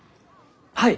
はい！